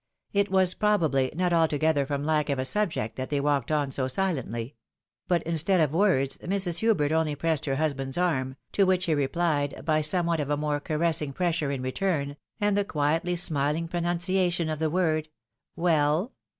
It was, probably, not altogether from lack of a subject that they walked on so silently ; but instead of words, Mrs. Hubert only pressed her husband's arm, to which he replied by somewhat of a more caressing pressure H 114 THE WIDOW MARRIED. in return, and the quietly smiling pronunciation of the word " Well